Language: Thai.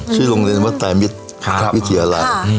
ชื่อโรงเรียนวัดไตรมิตรวิทยาลัย